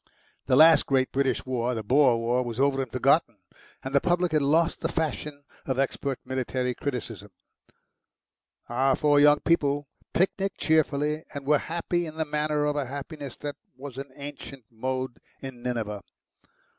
The last great British war, the Boer war, was over and forgotten, and the public had lost the fashion of expert military criticism. Our four young people picnicked cheerfully, and were happy in the manner of a happiness that was an ancient mode in Nineveh.